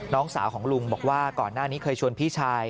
น้องสาวของลุงบอกว่าก่อนหน้านี้เคยชวนพี่ชาย